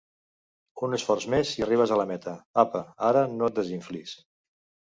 Un esforç més i arribes a la meta. Apa, ara no et desinflis!